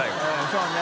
そうね。